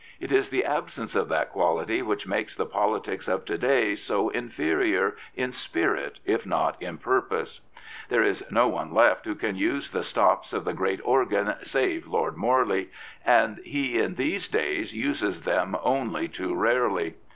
It is the absence of that quality which makes the politics of to day so inferior in spirit if not in purpose. There is no one left who can use the stops of the great organ save Lord Morley, and he in these days uses them only too rarely.